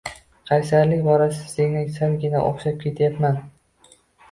Qaysarlik borasida senga salgina o`xshab ketyapman